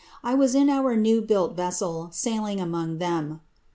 I was in our new built vessel, sailing among them.''